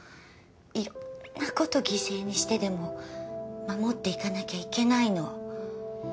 いろんなこと犠牲にしてでも守って行かなきゃいけないの。